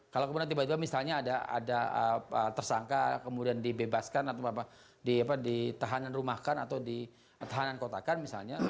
kalau kemudian tiba tiba misalnya ada tersangka kemudian dibebaskan atau di tahanan rumahkan atau di tahanan kotakan misalnya